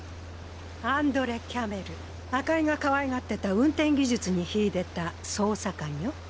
アンドレ・キャメル赤井がかわいがってた運転技術に秀でた捜査官よ。